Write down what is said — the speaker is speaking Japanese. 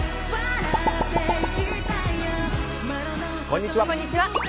こんにちは。